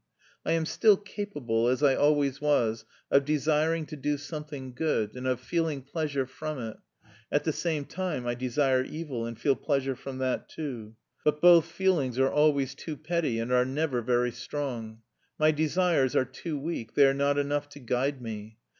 I am still capable, as I always was, of desiring to do something good, and of feeling pleasure from it; at the same time I desire evil and feel pleasure from that too. But both feelings are always too petty, and are never very strong. My desires are too weak; they are not enough to guide me.